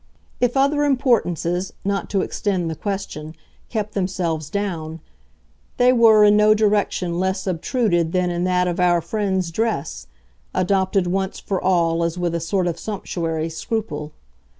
If other importances, not to extend the question, kept themselves down, they were in no direction less obtruded than in that of our friend's dress, adopted once for all as with a sort of sumptuary scruple.